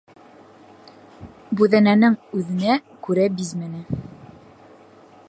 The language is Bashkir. Бүҙәнәнең үҙенә күрә бизмәне.